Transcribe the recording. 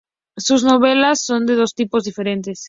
Sus novelas son de dos tipos diferentes.